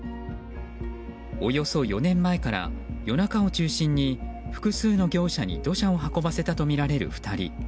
およそ４年前から夜中を中心に複数の業者に土砂を運ばせたとみられる２人。